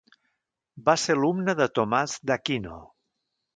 Va ser alumne de Tomàs d'Aquino.